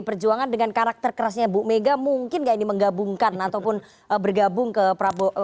perjuangan dengan karakter kerasnya bu mega mungkin gak ini menggabungkan ataupun bergabung ke prabowo